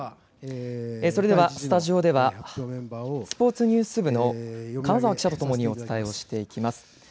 それでは、スタジオでは、スポーツニュース部の金沢記者と共にお伝えをしていきます。